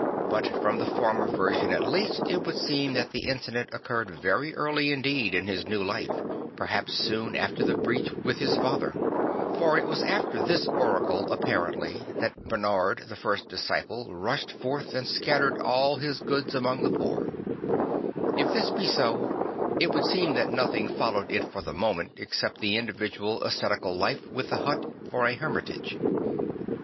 But from the former version at least it would seem that the incident occurred very early indeed in his new life, perhaps soon after his breach with his father; for it was after this oracle, apparently, that Bernard the first disciple rushed forth and sca ttered all his goods among the poor, If this be so, it would seem that nothing followed it for the moment except the individual ascetical life \vith the hut for a hermitdge.